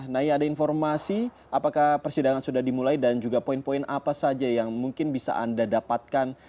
naya ada informasi apakah persidangan sudah dimulai dan juga poin poin apa saja yang mungkin bisa anda dapatkan